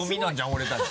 俺たち。